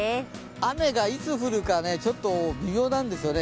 雨がいつ降るかちょっと微妙なんですよね。